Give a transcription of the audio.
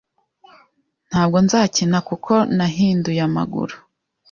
Ntabwo nzakina kuko nahinduye amaguru